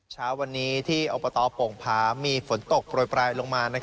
เช้าวันนี้ที่อบตโป่งผามีฝนตกโปรยปลายลงมา